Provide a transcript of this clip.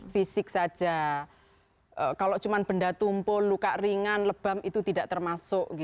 fisik saja kalau cuma benda tumpul luka ringan lebam itu tidak termasuk